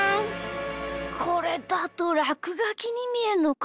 これだとらくがきにみえるのか。